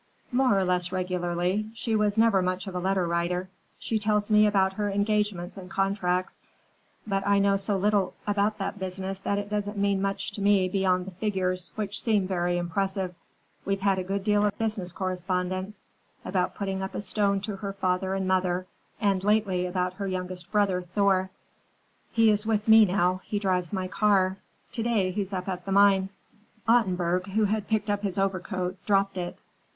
"More or less regularly. She was never much of a letter writer. She tells me about her engagements and contracts, but I know so little about that business that it doesn't mean much to me beyond the figures, which seem very impressive. We've had a good deal of business correspondence, about putting up a stone to her father and mother, and, lately, about her youngest brother, Thor. He is with me now; he drives my car. To day he's up at the mine." Ottenburg, who had picked up his overcoat, dropped it.